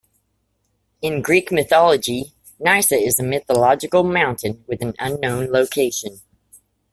In Greek mythology Nysa is a mythical mountain with an unknown location.